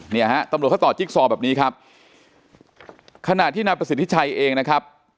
เนี่ยฮะตำรวจเขาต่อจิ๊กซอแบบนี้ครับขณะที่นายประสิทธิชัยเองนะครับ